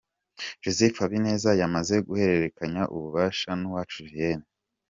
Joseph Habineza yamaze guhererekanya ububasha na Uwacu Julienne.